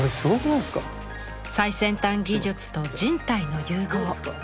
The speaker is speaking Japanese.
最先端技術と人体の融合。